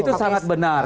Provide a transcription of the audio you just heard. itu sangat benar